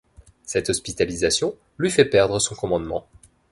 Cette hospitalisation lui fait perdre son commandement.